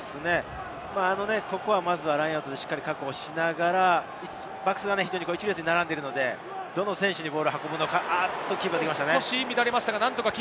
ここはまずラインアウトで、しっかり確保しながら、バックスが１列に並んでいるので、どの選手にボールを運ぶのか？